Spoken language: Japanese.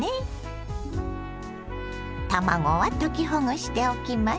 卵は溶きほぐしておきます。